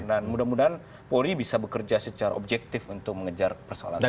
dan mudah mudahan polri bisa bekerja secara objektif untuk mengejar persoalan tersebut